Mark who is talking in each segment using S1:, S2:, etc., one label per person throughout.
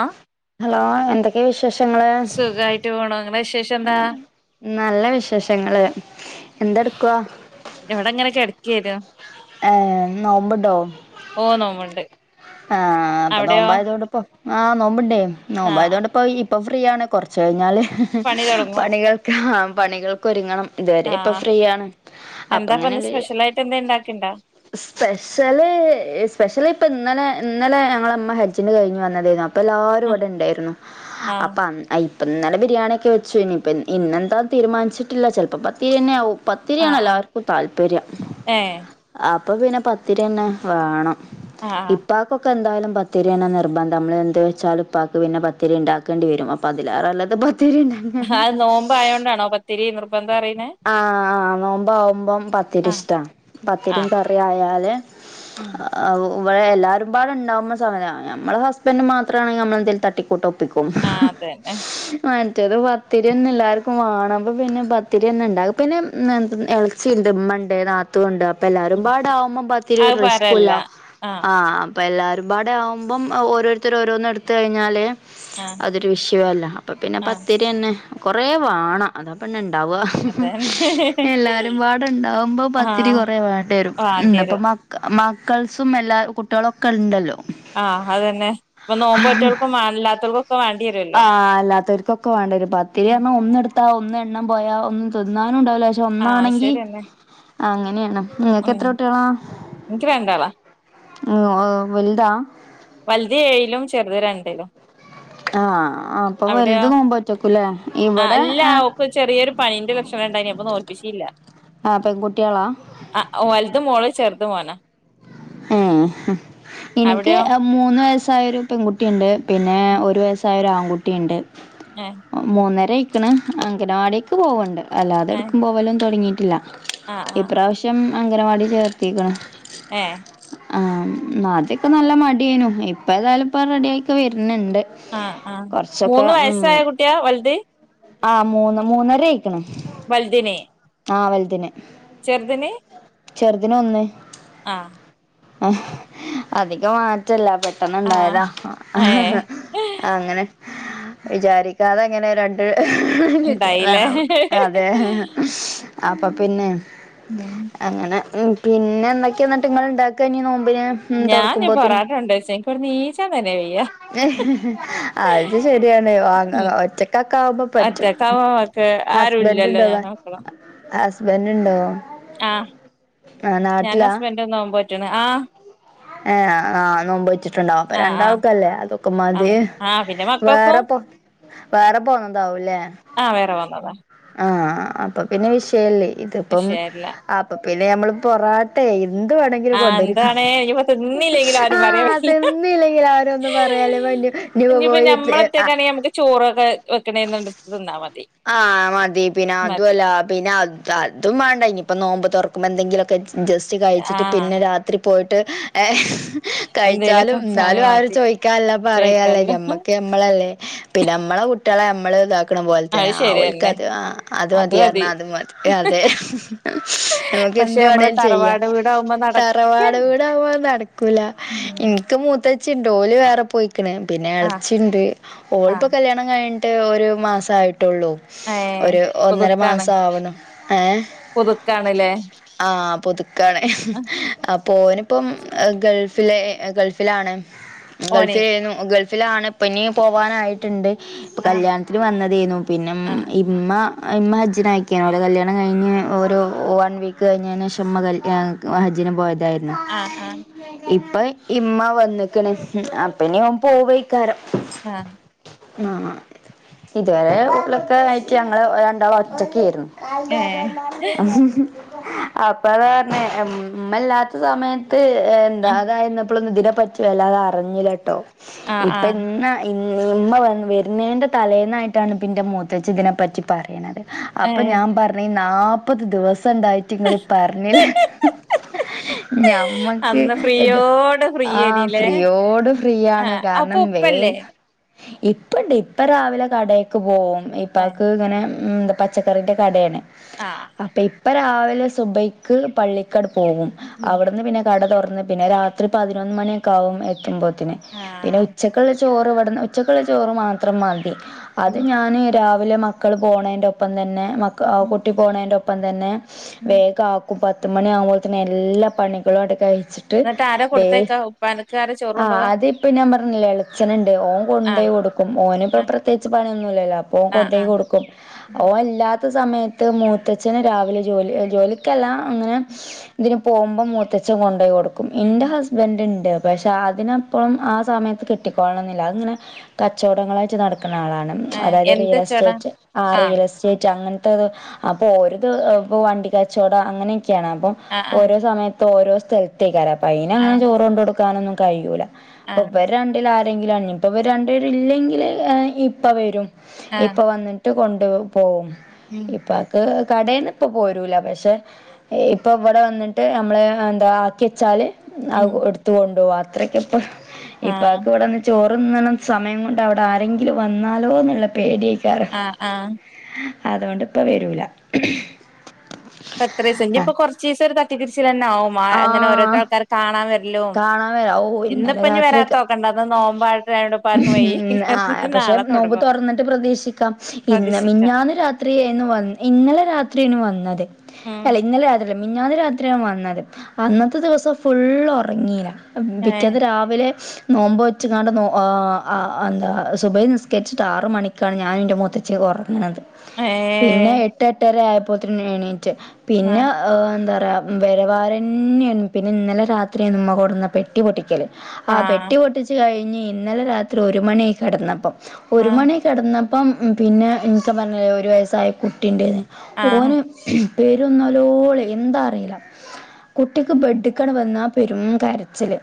S1: ആഹ്‌
S2: hello എന്തൊക്കെയ വിശേഷങ്ങള്
S1: സുഖായിട്ട് പോണു നിങ്ങളെ വിശേഷം എന്താ
S2: ആഹ്‌ നല്ല വിശേഷങ്ങള് എന്തെടുക്കവാ
S1: എവിടേങ്ങനെ കിടക്കുന്നു
S2: ഏഹ്‌ നോമ്പണ്ടോ
S1: ഓഹ്‌ നോമ്പ്ണ്ട്
S2: ആഹ്‌ അപ്പൊ നോമ്പായത കൊണ്ട്പ്പോ ആഹ് നോമ്പിണ്ടേ
S1: ആഹ്
S2: നോമ്പായതൊണ്ട്ിപ്പോ ഇപ്പം ഫ്രീയണ് കുറച്ച് കഴിഞ്ഞാൽ
S1: പണി തുടങ്ങോ
S2: പണികൾക്ക് പണികൾക്കൊ ഒരുങ്ങണം ഇതുവരെ ഇപ്പൊ
S1: ആഹ്
S2: ഫ്രീയാണ് അപ്പ
S1: എന്താപ്പന്ന്
S2: അങ്ങനെല്ല
S1: സ്പെഷ്യലായിട്ട് എന്താ ഇണ്ടാക്കിണ്ടാ
S2: സ്പെഷ്യല് സ്പെഷ്യല് ഇപ്പൊ ഇന്നലെ ഇന്നലെ ഞങ്ങള അമ്മ ഹജ്ജിന് കഴിഞ്ഞഞ് വന്നതായിരുന്നു അപ്പൊ എല്ലാവരും
S1: ആഹ്
S2: ഇവിടെ ഉണ്ടായിരുന്നു
S1: ആഹ്
S2: അപ്പ അഹ്‌ ഇപ്പ ഇന്നലെ ബിരിയാണി ഒക്കെ വെച്ചു ഇനി ഇപ്പ ഇന്നെന്താ തീരുമാനിച്ചിട്ടില്ല ചിലപ്പോപത്തിരി തന്നെ ആവും പത്തിരിയാണ്
S1: ആഹ് ആഹ്
S2: എല്ലാവർക്കും താല്പര്യം
S1: ഏഹ്
S2: അപ്പൊ പിന്നെ പത്തിരി തന്നെ വേണം
S1: ആഹ്‌
S2: ഇപ്പാക്കക്ക്ൊക്കെ എന്തായാലും പത്തിരിയാണ് നിർബന്ധം നമ്മൾ എന്ത് വെച്ചാൽ ഉപ്പാക്ക് പിന്നെ പത്തിരി ഉണ്ടാക്കേണ്ട വരും അപ്പം പതിലാറ അല്ലാെ പത്തിരിന്നെ
S1: ആ അത് നോമ്പ് ആയതോണ്ടാണോ പത്തിരി നിർബന്ധം അറീനെ
S2: ആഹ ആ നോമ്പാവുമ്പം പത്തിരി
S1: ആഹ്
S2: ഇഷ്ടാണ് പത്തിരിയും
S1: ആഹ്
S2: കറി ആയാല്
S1: ഉം
S2: ആ ഇവിടെ എല്ലാവരും പാടുണ്ടാവുന്ന സമയമാണ് നമ്മെ ഹസ്ബൻഡ മാത്രമാണെങ്കിൽമ്മളെന്തേലും തട്ടിക്കൂട്ട് ഒപ്പിക്കും
S1: ആ അത തന്നെ
S2: മറ്റത് പത്തിരി തന്നെ എല്ലാവർക്കും വേണം അപ്പ പിന്നെ പ ത്തിരി തന്നെ ഉണ്ടാകും പിന്നെ എ ഇളച്ചി ഉണ്ട് ഉമ്മണ്ട് ണ്ട് അപ്പൊ എല്ലാരും
S1: ഉം.
S2: പാട ആവുമ്പോത്തിരി
S1: അത്
S2: ഒരു റിസ്കൂല്ല
S1: പറല്ല ആഹ്
S2: ആ അപ്പോം എല്ലാവരുംപാട ആവുമ്പം ഓരോരുത്തര് ഓരോന്ന് എടുത്ത് കഴിഞ്ഞാല്
S1: ആഹ്
S2: അതൊരു വിഷയല്ല അപ്പൊ പിന്നെ
S1: ആഹ്
S2: പത്തിര തന്നെ കൊറെ വേണം അതാപ്പന്നെ ഇണ്ടാവ
S1: അതന്നെ
S2: എല്ലാരും വാടെണ്ടാവുമ്പോ പത്തിരി
S1: ആഹ്
S2: കൊറ വേണ്ട വരും ഇപ്പ
S1: വാണ്ടിയരും
S2: മക്കൾസും എല്ലാരും ളക്കുണ്ടല്ലോ
S1: ആഹ് അത്തന്നെ ഇപ്പൊ നോമ്പ് ഒറ്റവൾക്കുംല്ലാത്തവർക്കും
S2: ആഹ അല്ലാത്തവർക്കൊ വേണ്ട പത്തിരിയണം ഒന്ന എടുത്താ ഒന്ന് എണ്ണം പോയാ ഒന്നും തിന്നാനുംണ്ടാവല്ലോ
S1: ആഹ്
S2: ഒന്നാണെങ്കി
S1: ശരിയന്നെ
S2: അങ്ങനെയാണ് നിങ്ങക്ക്
S1: ഉം
S2: എത്ര ട്ടികളാ
S1: എനിക്ക് രണ്ടാളാ
S2: വലുതാ
S1: വലുതി ഏഴിലും ചെറുത് രണ്ടിലും
S2: ആഹ ആ ഇപ്പൊ വലുത
S1: അവിടെയോ
S2: പോവുമ്പോറ്റക്കൂല്ലേ ഇവിടെ
S1: അല്ല
S2: ആ
S1: ഓക്ക് ചെറിയൊരു പനീന്റെ ലക്ഷണം ഉണ്ടായിനി അപ്പൊ നോൽപ്പിച്ചില്ല
S2: ആ പെൺകുട്ടികളാ
S1: ആ വലതും മോള് ചെറുത് മോന്
S2: ഉം എനിക്ക്
S1: അവിടെയോ
S2: മൂന്ന് വയസ്സായരു പെൺകുട്ടിയുണ്ട് പിന്നെ ഒരു വയസ്സായരു ആൺകുട്ടിയുണ്ട്
S1: ഏ
S2: മൂന്നര ഇയിക്കണ് അങ്കനവാടിക്ക് പോവണ്ട് അല്ലാതെ
S1: ഏ
S2: എടുക്കും പോവലും തുടങ്ങിയിട്ടില്ല
S1: ആ ആ
S2: ഇപ്രാവശ്യം അംഗനവാടി ചേർത്തിക്കണ്
S1: ഏ
S2: ആ അദ്യൊക്കെ നല്ല മടിയനു ഇപ്പ ഏതായാലും ഇപ്പ റെഡിയ ആക്കെ വരുന്നുണ്ട്
S1: ആഹ് ആഹ്
S2: കൊറച്ചൊക്കെ
S1: മൂന്ന്
S2: ഉം
S1: വയസ്സായ കുട്ടിയാ വൽത്
S2: ആഹ് മൂന്ന് മൂന്നരയിക്ക്ണ്
S1: വൽതിന്
S2: ആഹ് വൽതിന്
S1: ചെർതിന്
S2: ചെർതിന് ഒന്ന്
S1: ആഹ്
S2: അധികം മാറ്റല്ല പ
S1: ആ
S2: പെട്ടെന്ന്ണ്ടായതാ
S1: ഏ
S2: അങ്ങനെ വിചാരിക്കാതെങ്ങനെ ര
S1: ഉണ്ടായില്ലേ
S2: കിട്ടിയതണാവോ അതെ അപ്പൊ പിന്നെ
S1: ഉം
S2: അങ്ങനെ പിന്നെ എന്തൊക്കെ ന്നിട്ട് ങ്ങള് ഇണ്ടാക്ക നി നോമ്പിന് ഉം
S1: ഞാൻ ഞ്ഞ്
S2: തുറക്കുമ്പോത്തിന്
S1: പൊറട്ട ണ്ടെര്ച്ച ഇൻക്കിവട്ന്ന് നീച്ചാൻ തന്നെ വെയ്യ
S2: അത് ശരിയാണ് വ ഒറ്റക്കൊക്കെ ആവുമ്പോ പറ്റും
S1: ക്കെ ആരുല്ലല്ലോ ഞ [unintelligible]
S2: ഹസ്ബൻറ് ഇണ്ടോ?
S1: ആഹ് ഞാനു ഹസ്ബൻഡ നോമ്പ് നോറ്റണ് ആഹ്
S2: ഏ ആഹ് നോമ്പ് റ്റ്ട്ട്ണ്ടോ അപ്പൊ
S1: ആഹ് ആഹ്
S2: രണ്ടാൾക്കല്ലേ അതൊക്കെ മതി
S1: ആഹ് ആഹ് പിന്നെ
S2: വേറെ
S1: മക്കക്കും
S2: പോ വേറെ പോന്നതാവൂല്ലേ
S1: ആഹ് വേറെ പോന്നതാ
S2: ആഹ് അപ്പ പിന്നെ വിഷയല്ലേ ഇതിപ്പം
S1: വിഷയല്ല
S2: അപ്പ പിന്നെ ഞമ്മള് പൊറാട്ടെ എന്ത് വേണേങ്കി രി
S1: ആഹ്
S2: കൊണ്ടേരും
S1: എന്താണ് ഇനിയിപ്പോ തിന്നില്ലെങ്കിലും ആരും പറയാൻ
S2: ആഹ്
S1: പറ്റില്ല
S2: തിന്നില്ലെങ്കിലരൊന്നു പറയാല്ല വല്യ
S1: ഇനിയിപ്പോ
S2: [unintelligible] ത് അഹ്
S1: ഞമ്മളൊറ്റക്കാണെങ്കി നമുക്ക് ചോറൊക്കെ വെക്ക്ണെന്ന്ടത്ത് തിന്നാ മതി
S2: ആ മതി പിന്ന
S1: മതി
S2: അതുവല്ല പിന്ന അ തതും വാണ്ട ഇനിയിപ്പോ നോമ്പ് തൊറക്കുമ്പോ എന്തെങ്കിലൊക്കെ ജ ജസ്റ്റ് കൈച്ചിട്ട്
S1: ആഹ്
S2: പിന്നെ രാത് ത്രി പോയിട്ട്
S1: എന്തേലൊക്കെ
S2: കഴിച്ചാലും ന്നാലും
S1: സാനം
S2: ആരു
S1: മതി
S2: ചോയ്ക്കാല്ല പറയല്ലേ
S1: ചോയിക്കാല്ലോ
S2: ഞമ്മക്ക് മ്മളല്ലേ പിന്നമ്മള കുട്ടിയളെ അമ്മള് ഇതാക്കണം പോലെ ത്തന
S1: അത്
S2: ആഹ്
S1: ശരിയന്നെ
S2: ഒൽക്കത് അ അത് മതിയർന്ന അത് മതി അ അതെ
S1: പക്ഷെ
S2: ഞമ്മക്കെന്ത്
S1: നമ്മള്
S2: വേണേലും ചെയ്യാ
S1: തറവാട് വീടാവുമ്പോ നടക്കന്നെ
S2: തറവാട് വീട്ടാവുമ്പോ നട് ക്കൂല
S1: ഉം
S2: ഇൻക്ക് മൂത്ത ച്ചിണ്ട് ഓല് വേറെ പോയിക്ക്ണ് പിന്നേ
S1: ആഹ്
S2: എളച്ചിണ്ട് ഓള്പ്പ
S1: ആഹ്
S2: ക്കല്ല്യാ ണം കൈഞ്ഞിട്ട് ഒരു മാസായിട്ടുള്ളൂ
S1: ഏഹ്
S2: ഒര് ഒന്നര
S1: പുതുക്കാണ്
S2: മാസാവണു ഏ
S1: പുതുക്കാണ്ല്ലേ
S2: [inaudible] ആഹ് പുതുക്കാണ് ഹ് അപ്പോനിപ്പം ഗൾഫില് എ ഗൾഫിലാണ് [inaudible]
S1: ഓനെ
S2: ഗൾഫിലേനു ഗൾഫിലാണ്പ്പെനി പോവാനായിട്ട്ണ്ട് ഇപ്പോ
S1: ആഹ്
S2: കല്യാണത്തിന് വന്നതേനു നം
S1: ആ
S2: ഇ ഇമ്മ ഇമ്മ ഹജ്ജിനായിക്കേനു ഓലെ കല്യാണം കൈഞ്ഞ് ഒരു വൺ വീക്ക് കഴിഞ്ഞെനേഷം മ്മ ഗ എ ക ക് വഹജ്ജിനും പോയതായ്ര്ന്നു
S1: ആഹ് ആഹ്
S2: ഇപ്പ ഇമ്മ വന്ന്ക്ക്ണ് ഉം അപ്പെനി ഓൻ പോവയ്ക്കാരം
S1: ആഹ്
S2: അ അ ഇതുവരെ വീട്ടിലൊക്കെ ആയിട്ട് ഞങ്ങള് രണ്ടാളൊറ്റക്കേയിരുന്നു
S1: ഏ
S2: അപ്പത പറഞ്ഞ മ്മല്ലാത്ത സമയ ത്ത് എന്താ
S1: ആ
S2: അതായിന്നപ്പോളൊന്നും ഇതിനെ പറ്റി വല്ലാതെ അറിഞ്ഞിലട്ടോ
S1: ആ
S2: ഇപ്പ
S1: ആ
S2: ഇന്ന ഇ ഇമ്മ വ വര്ണേന്റെ തലേന്നായിട്ടാണ് ഇപ്പ ന്റെ മൂത്തച്ചി തിനെപ്പറ്റി പറയണത്
S1: ഏ
S2: അപ്പൊ ഞാൻ പറഞ്ഞ് നാപ്പത് ദിവസുണ്ടായി റ്റങ്ങള് പറഞ്ഞില്ലേ ഞമ്മക്ക്
S1: അന്ന്
S2: ഇത്
S1: ഫ്രീയോട് ഫ്രീ
S2: ആഹ്
S1: ഏനില്ലേ
S2: ഫ്രീയോട്
S1: ആ
S2: ഫ്രീയാണ്
S1: അപ്പൊ
S2: കാരണം വേ
S1: ഉപ്പല്ലേ
S2: ഇപ്പണ്ട് ഇപ്പ രാവിലെ കടേക്ക് പോവും
S1: ഏ
S2: ഇപ്പാക്ക് ഇങ്ങനെ ഉം പ ച്ചക്കറിന്റെ കടയാണ്
S1: ആഹ്
S2: അപ്പോയിപ്പ രാവിലെ സുബൈക്ക് പള്ളിക്കട് പോവും
S1: ഉം
S2: അവിടുന്ന് പിന്നെ കട തുറന്ന് പിന്നെ രാത്രി പതിനൊന്ന് മണിയൊക്കെ ആകും എത്തുമ്പോത്തിനെ
S1: ആ
S2: പിന്നെ ഉച്ച ക്കുള്ള ചോറിവിടുന്ന് ഉച്ചക്കുള്ള ചോറ് മാത്രം മതി
S1: ഉം
S2: അത് ഞാന് രാവി ലെ മക്കള് പോണേന്റൊപ്പം തന്നെ മക്ക അ
S1: ഉം
S2: കുട്ടി പോണേന്റൊപ്പം തന്നെ
S1: ഉം
S2: വേഗാക്കും പത്ത് മണി ആകുമ്പോത്തന്നെ എല്ലാ പണികളും ആടെ കഴിച്ചി
S1: എന്നിട്ടാരാ കൊടുത്തയക്ക ഉപ്പാന്റ
S2: ആഹ് അതിപ്പം ഞാൻ പറഞ്ഞില്ലേ എളേച്ചനുണ്ട്
S1: ആ
S2: ഓൻകൊണ്ടോയി കൊടുക്കും ഓനിപ്പൊ
S1: ആ
S2: പ്രത്യേ പണിയൊന്നുല്ലാല്ലോ അപ്പൊ
S1: ആ
S2: കൊണ്ടോയി
S1: ആ
S2: കൊടുക്കും
S1: ഉം
S2: ഓൻ ഇല്ലാത്ത സമയത്ത് മൂത്തച്ഛന് രാവിലെ ജോലി ജോലിക്കല്ല അങ്ങനെ
S1: ഉം
S2: ഇതിന് പോകുമ്പം മൂത്തച്ചൻ കൊണ്ടോയി കൊടുക്കും ഇന്റെ
S1: ഉം
S2: ഹസ് വന്റ്ണ്ട് പക്ഷെ അതിനപ്പഴും ആഹ് സമയത്ത് കിട്ടിക്കോളണം എന്നില്ല അതിങ്ങനെ കച്ചോടങ്ങളായിട്ട് നടക്കണ ആളാണ്
S1: ആ
S2: അതായത്
S1: എന്ത് ചേടാ
S2: റിയലെസ്റ്റേറ്റ് ആഹ്
S1: ആ
S2: റിയൽ എസ് റ്റേറ്റ് അങ്ങൻത്തേത് അപ്പൊ ഓരിത് ഇപ്പോ വണ്ടി കച്ചോട അങ്ങനെയൊക്കെയാണ് അപ്പം
S1: ആ ആ
S2: ഓരോ സമയത്ത് ഓരോ സ്ഥലത്തേക്ക് അരാ അയിന
S1: ആ
S2: അങ്ങനെ ചോറ് കൊണ്ട് കൊടുക്കാനൊന്നും കയൂല്ല.
S1: ആ
S2: അപ്പൊ ഇവര് രണ്ടില് ആരെങ്കിലും ഇനീപ്പൊ ഇവര് രണ്ടു പേരും ഇല്ലെങ്കില് ഇപ്പ വരും.
S1: ആ
S2: ഇപ്പ വന്നിട്ട് കൊണ്ട് പോകും
S1: ഉം
S2: ഇപ്പ കടേന്ന് ഇപ്പ പോരൂല പക്ഷെ ഇപ്പ ഇവിടെ വന്നിട്ട് നമ്മള് എന്താ ആക്കി വെച്ചാല്
S1: ഉം
S2: ആഹ് എടുത്ത് കൊണ്ട് പോകും അത്രക്ക് ഇപ്പം
S1: ആ
S2: ഇപ്പക്ക് ഇവിടെന്ന് ചോറുണ്ണാനൊന്നും സമയം കൊണ്ട് അവിടെ ആരെങ്കിലും വന്നാലോ എന്നുള്ള പേടിയൊക്കാ
S1: ആഹ് ആഹ്
S2: അതോണ്ട് ഇപ്പ വരൂല
S1: എത്ര ദിവസം എങ്കി ഇപ്പൊ കുറച്ച് ദിവസം ഒരു തട്ടിതിരിച്ച് തന്നെ ആവും അങ്ങനെ
S2: ആഹ്
S1: ഓരോരുത്തർക്ക് ആൾ കാണാൻ വരലും
S2: കാണാൻ വരാ ഓ ഇന്നലെ
S1: ഇന്നിപ്പൊ ഇനി വരാത്ത
S2: രാത്രിയൊക്കെ
S1: നോക്കേണ്ട ന്ന് നോമ്പാ
S2: ഉം ആഹ് പക്ഷെ നോമ്പ്
S1: തൊടങ്ങും
S2: തുറന്നിട്ട് പ്രതീക്ഷിക്കാം ഇന്ന്
S1: പ്രതീക്ഷിക്കാം
S2: മിനിഞ്ഞാന്ന് രാ ത്രി ഇന്നലെ രാത്രി വന്നത് അല്ല
S1: ഉം
S2: ഇന്നലെ രാത്രി മിനിഞ്ഞാന്ന് രാത്രിയാ വന്നത് അന്നത്തെ ദിവസം ഫുള്ള് ഉറങ്ങില്ല.
S1: ഏ
S2: പിറ്റേന്ന് രാവിലെ നോമ്പ് വെച്ചങ്ങാണ്ട് നോ ആഹ് ആഹ് എന്താ സുബൈ നിസ്കരിച്ചിട്ട് ആറ് മണിക്കാണ് ഞാനും എൻ്റെ മുത്തച്ചേ ഒക്കെ ഉറങ്ങിയത്. പിന്നെ
S1: ഏ
S2: എട്ട് എട്ടര ആയപ്പോത്തേന് എണീറ്റ് പിന്നെ
S1: ആ
S2: ഏഹ് എന്താ പറയാ വെരവാരന്നെയാണ് പിന്നെ ഇന്നലെ രാത്രിയാന്ന് ഉമ്മ കൊണ്ടുന്ന പെട്ടി പൊട്ടിക്കല്
S1: ആ
S2: ആഹ് പെട്ടി പൊട്ടിച്ചു കഴിഞ്ഞ് ഇന്നലെ രാത്രി ഒരു മണിയായി കിടന്നപ്പം ഒരു
S1: ആ
S2: മണി കിടന്നപ്പം പിന്നെ എനിക്കെ പറഞ്ഞില്ലേ ഒരു വയസ്സായ കുട്ടീണ്ടന്ന്
S1: ആ
S2: ഓന് പേരുന്നലോളി എന്താ അറിയില്ല. കുട്ടിക്ക് ബെഡിക്കണ് വന്നാ പെരും കര ച്ചില്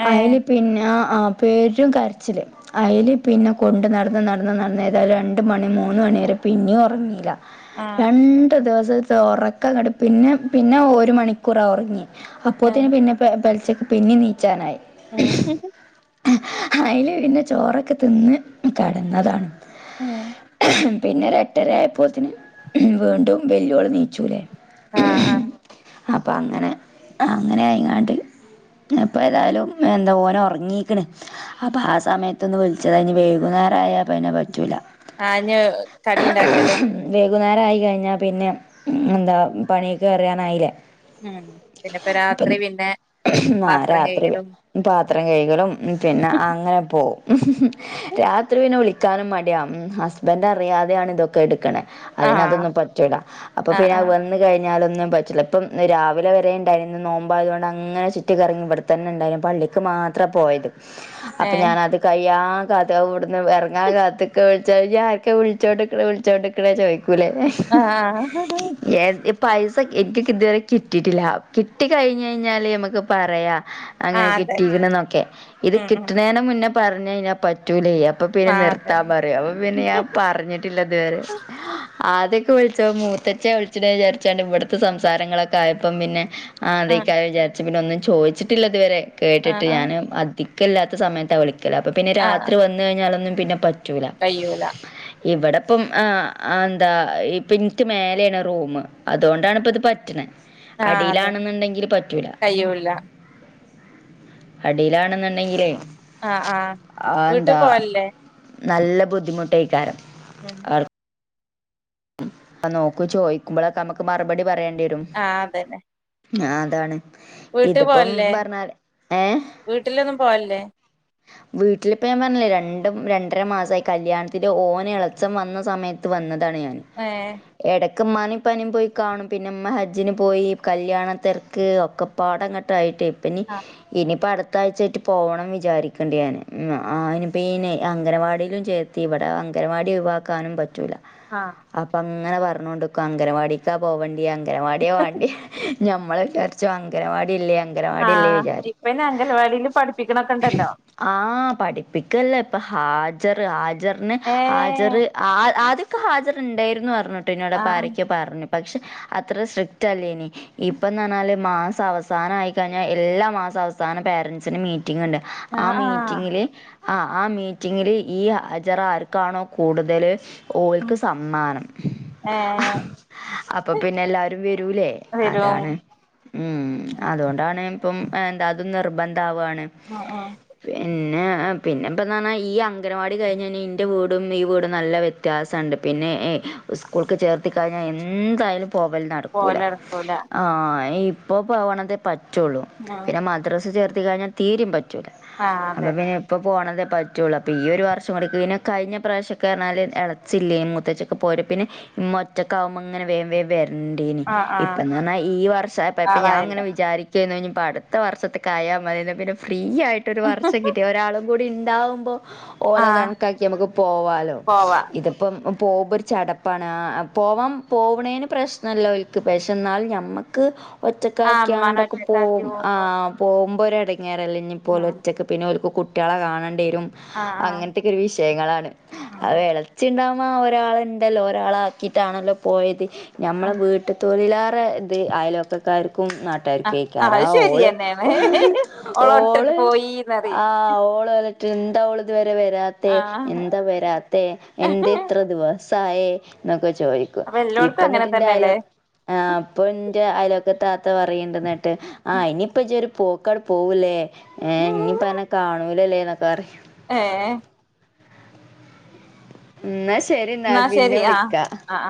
S1: ഏ
S2: അയില് പിന്നെ ആഹ് പെരും കരച്ചില്. അയില് പിന്നെ കൊണ്ട് നടന്ന് നടന്ന് നടന്ന് ഏതായാലും രണ്ട് മണി മൂന്ന് മണി വരെ പിന്നെയും ഉറങ്ങീല.
S1: ആ
S2: രണ്ട് ദിവസത്തെ ഉറക്കങ്ങട് പിന്നെ പിന്നെ ഒരു മണിക്കൂറാ ഉറങ്ങിയേ
S1: ഏ
S2: അപ്പോത്തിന് പിന്നെ പെൽച്ചക്ക് പിന്നെനീച്ചാനായി.
S1: [unintelligible]
S2: അയില് പിന്നെ ചോറൊക്കെ തിന്ന് കടന്നതാണ്.
S1: ഉം
S2: പിന്നെ ഒരെട്ടര ആയപ്പോത്തിന് വീണ്ടും വെല്ലൂള് എണീച്ചൂലേ.
S1: ആ ആ
S2: അപ്പം അങ്ങനെ അങ്ങനെ ആയങ്ങാണ്ട്. അപ്പോ ഏതായാലും എന്താ ഓന് ഉറങ്ങീക്കണ്. അപ്പ ആ സമയത്തൊന്ന് വിളിച്ചതാ ഇനി വൈകുന്നേരയാ പിന്നെ പറ്റൂല്ല.
S1: ആഞ്ഞ് കടി ഇണ്ടാക്കലും
S2: വൈകുന്നേരം ആയി കഴിഞ്ഞാ പിന്നെ എന്താ പണിക്കെരാനായിലെ
S1: ഉം പിന്നെപ്പ രാത്രി പിന്നെ
S2: ആ
S1: പാത്രം
S2: രാത്രി
S1: കഴുകലും
S2: പാത്രം കൈയ്കലും പിന്നെ അങ്ങനെ പോകും രാത്രി പിന്നെ വിളി ക്കാനും മടിയാ ഹസ്ബൻ് അറിയാതെയാ ഇതൊക്കെ എടുക്കണെ
S1: ആ
S2: അതിനതൊന്നും പറ്റൂല അപ്പൊ
S1: ആ ആ
S2: പിന്നെ കഴിഞ്ഞാലൊന്നും പറ്റില്ല ഇപ്പം രാവിലെ വരെ ഉണ്ടായിരുന്നു നോമ്പായതൊണ്ട് അങ്ങനെ ചുറ്റി കറങ്ങി ഇവിടു തന്നെ ഇണ്ടായ്ന് പള്ളിക്ക് മാത്ര പോയത്
S1: ഏ
S2: അപ്പോ ഞനത് കയ്യാ കാത്ത് ഇവിട്ന്ന് ഇറങ്ങാൻ കാത്തൊക്കെ വിളിച്ച കഴിഞ്ഞാ ആക്കെ വിളിച്ചോണ്ട് വിളിച്ചോട്ട ക്ക്ണെ ചോയ്ക്കൂലേ
S1: ആഹ് ആഹ്
S2: [unintelligible] പൈസ എനിക്ക് ഇതുവരെ കിട്ടിയിട്ടില്ല കിട്ടി കഴിഞ്ഞ് കഴിഞ്ഞാല് ഞമക്ക് പറയാം
S1: ആ
S2: അങ്ങനെ
S1: അതന്നെ
S2: കിട്ടിയിന്നൊക്കെ ഇത്
S1: ഉം ഉം
S2: കിട്ടുന്നതിന് മുന്നേ പറഞ്ഞയിഞ്ഞാൽ പറ്റൂലയ് അപ്പൊ പിന്നെ
S1: ആഹ്
S2: നിർത്താ
S1: അതന്നെ
S2: പറയും അപ്പൊ പിന്നെ ഞാൻ പറഞ്ഞിട്ടില്ല ഇതുവരെ.
S1: ഉം
S2: ആദ്യൊക്കെ വിളിച്ച മൂത്തിച്ച വിളിച്ചിട്ട വിചാരിച്ചാണ്ട് ഇവിടുത്തെ സംസാരങ്ങളൊക്കെ ആയപ്പം പിന്നെ ആ
S1: ആഹ്
S2: അതേക്കാരം വിചാരിച്ചു പിന്നെ ഒന്നും ചോദിച്ചിട്ടില്ല ഇതുവരെ
S1: ആഹ്
S2: കേട്ടിട്ട്
S1: ആഹ്
S2: ഞാന് അധിക്കല്ല സമയത്താ വിളിക്കല് അപ്പൊ പിന്നെ
S1: ആഹ്
S2: രാത്രി വന്ന് കഴിഞ്ഞാലൊന്നും പിന്നെ പറ്റൂല.
S1: കയ്യൂല
S2: ഇവിടെ ഇപ്പം ഏഹ് എന്താ ഇപ്പ എൻറ്റ് മേലേണ് റൂമ് അതു കൊണ്ടാണ് ഇപ്പൊ ഇത് പറ്റിണ.
S1: ആഹ് അതെ
S2: അടീലാണെന്നുണ്ടെങ്കില് പറ്റൂല.
S1: കയ്യൂല
S2: അടിയിലാണുന്നെണ്ടെങ്കി
S1: ആഹ് ആഹ്
S2: ആഹ്
S1: വീട്ട്
S2: ന്താ
S1: പോവലില്ലേ
S2: നല്ല ബുദ്ധിമുട്ടേകാരം.
S1: ഉം
S2: ആഹ് നോക്കു ചോയിക്കുമ്പോളൊക്കെ അമ്മക്ക് മറുപടി പറയേണ്ടിരും.
S1: ആഹ് അതന്നെ.
S2: ആഹ് അതാണ്
S1: വീട്ട്
S2: ഇതിപ്പം
S1: പോവലില്ലേ
S2: പറഞ്ഞാല് ഏഹ്.
S1: വീട്ടിലൊന്നും പോവലില്ലേ
S2: വീട്ടിലിപ്പം ഞാൻ പറഞ്ഞില്ലേ രണ്ടും രണ്ടര മാസായി കല്ല്യാണത്തിന് ഓന് എളെച്ചം വന്ന സമയത ത്ത് വന്നതാണ് ഞാൻ
S1: ഏഹ്
S2: എടക്ക് ഇമ്മാനി ഇപ്പാനീം പോയി കാണും പിന്നെമ്മ ഹജ്ജിന് പോയി കല്യാണത്തെരക്ക് ഒക്കെ പാടെങ്ങട്ടായിറ്റെ ഇപ്പനി
S1: ആഹ്
S2: ഇനി പടത്ത് ത്തഴ്ച്ചായിറ്റ് പോണം വിചാരിക്ണ്ട് ഞാന് ആ അയിന് പീനെ അംഗനവാടീലും ചേർ ത്തി ഇവടെ അംഗനവാടി ഒയ് വാക്കാനും പറ്റൂല്ല.
S1: ആഹ്
S2: അപ്പൊ അങ്ങനെ പറഞ്ഞോണ്ട്ക്കും അംഗനവാടിക്കാ പോവണ്ട്യേ അംഗനവാടിയാ വേണ്ട്യേ. ഞമ്മള് വിചാരിച്ചുംൾ അംഗനവാടില്ല്യ
S1: ആഹ് ഇപ്പന്നെ അംഗലവാടില് പഠിപ്പിക്കണൊക്കെ ഇണ്ടല്ലോ.
S2: ആഹ് പഠിപ്പിക്കല്ല ഇപ്പൊ ഹാജറ് ഹാജറിന് ഹാജർ
S1: ഏഹ്
S2: ആ ആദ്യം ഹാജര്ണ്ടേര്ന്നു പറഞ്ഞിട്ടോ ഇന്നോട്
S1: ആഹ്
S2: ഇപ്പാരക്യോ പറഞ്ഞു പക്ഷെ അത്ര സ്ട്രിക്റ്റ് അല്ലേനി. ഇപ്പന്നറഞ്ഞാല് മാസം അവസാനായി കഴിഞ്ഞാൽ എല്ലാ മാസ അവസാനം പേരൻസിന് മീറ്റിംഗ്ണ്ട്. ആ
S1: ആഹ് ആഹ്
S2: മീറ്റിംഗില് ആഹ് ആ മീറ്റിംഗില് ഈ ഹാജറ് ആർക്കാണോ കൂടുതല് ഓ
S1: ഉം
S2: സമ്മാനം
S1: ഏഹ്
S2: അപ്പൊ പിന്നെ എല്ലാരും വരൂലേ
S1: വരും
S2: അതാണ്. ഉം അതോണ്ടാണ് ഇപ്പം എന്താ അതും നിർബന്ധാവാണ്.
S1: ആഹ് ആഹ്
S2: പിന്നെ പിന്നെ ഇപ്പന്ന് പറഞ്ഞാ ഈ അംഗനവാടി കഴിഞ്ഞന്നെ ഇൻ്റെ വീടും ഈ വീടും നല്ല വ്യ ത്യാസണ്ട് പിന്നെ ഏഹ് സ്കൂൾക്ക് ചേർത്തി കഴിഞ്ഞാ എന്തായാലും പോവല് ന ക്കൂല
S1: പോവലടക്കൂല
S2: ആഹ് ഈ ഇപ്പോ പോണതെ പറ്റൊള്ളൂ
S1: ഉം
S2: പിന്നെ മദ്രസ് ചേർത്തി കഴിഞ്ഞാ തീരീം പ റ്റൂലാ
S1: ആഹ്
S2: അപ്പൊപിന്നെ.
S1: അതന്നെ
S2: ഇപ്പ പോണതെ പറ്റൊള്ളൂ അപ്പോ ഈ ഒരു വർഷം കൂടിക്ക് പിന്നെ കഴിഞ്ഞ പ്രാവശ്യെക്കെ പറഞ്ഞാല് എളച്ചില്ല മു മുത്തച്ചിയൊക്കെ പോര് പിന്നെ ഇമ്മ ഒറ്റക്കാവുമ്പങ്ങനെ വേ വേ വര് ണ്ടീനി.
S1: ആഹ്
S2: ഇപ്പ
S1: ആഹ്
S2: ന്നറഞ്ഞാ ഈ വർഷായപ്പെ ഇപ്പ ഞാൻ ഇങ്ങനെ
S1: ആളായല്ലോ
S2: വിചാരിക് ക്കേന്നു ഇഞ്ഞിപ്പോ അടുത്ത വർഷത്ത്ക്കായാ മതീന്ന് ന്ന പിന്നെ ഫ്രീ ആയിട്ട് ഒരു വർഷം കിട് ഒരാളും കൂടി ഇണ്ടാവുമ്പോ ഓല
S1: ആഹ്
S2: കണക്കാക്കി ഞമ്മക്ക് പോവാലോ
S1: പോവാ
S2: ഇതിപ്പം പോവ്മ്പോ ഒരു ചടപ്പാണ് ആഹ് പോവാൻ പോവണേന് പ്രശ്നല്ല ഓൽക്ക് പക്ഷെ ന്നാലും ഞമ്മക്ക്
S1: ആഹ് ഇമ്മാനെ
S2: ഒറ്റക്കാക്കിയാണ്ടൊക്കെ
S1: ഒറ്റക്കാക്കി
S2: പോവും
S1: പോവുമ്പോ
S2: ആഹ്. പോവുമ്പോ ഒര് എടങ്ങേറല്ലെ ഇഞ്ഞി പ്പൊ ഓല്
S1: ആഹ്
S2: ഒറ്റക്ക് പിന്നെ ഓൽക്ക് കുട്ട്യാളെ കാണണ്ടെരും.
S1: ആഹ്
S2: അങ്ങൻത്തെക്കെ ഒരു വിഷയങ്ങളാണ്
S1: ആഹ്
S2: അഹ് എളെച്ചിണ്ടാ വു മ്മ ഒരാളുണ്ടല്ലോ ഒരാളാക്കിട്ടാണല്ലോ പോയത് ഞമ്മളെ
S1: ആഹ്
S2: വീട്ട് ത്തോലിലേറെ ത് അയലൊക്കക്കാര്ക്കും നാട്ട്
S1: ആഹ് ആഹ്
S2: ട്ടാര്ക്കയ്കാരം
S1: അത്
S2: ഓള്
S1: ശരിയെന്നേണ് ഒട്ടിട്ട്
S2: ഓള്
S1: പോയീന്നറിം
S2: ആഹ് ഓള് റ്റെന്താ ഓള്ത് വരെ വരാത്തെ
S1: ആഹ്
S2: എന്താ വരാത്തെ എന്തേയ് ദിവസായെ ഇന്നൊക്കെ ചോയിക്കും.
S1: അപ്പൊ
S2: ഇപ്പ
S1: എല്ലോട്ത്തും അങ്ങനെ
S2: ന്ന്ട്ട്ന്റെ അയലോ
S1: തന്നെല്ലേ
S2: ആഹ് ഇപ്പൊന്റെ അയലോക്കത്തെ താത്ത പറയ്ണ്ട് ന്ന്ട്ട് ആഹ് ഇനിപ്പോ ജ് ഒരു പോക്കാണ് പോവൂലേ ഇനിപ്പോ അന്നെ കാണൂലല്ലേ ന്നൊക്കെറയും.
S1: ഏഹ്
S2: ഇന്നാ ശരിന്നാ
S1: ന്നാ
S2: പിന്നെ
S1: ശരി ആഹ്
S2: വിളിക്കാ
S1: ആഹ് ആഹ്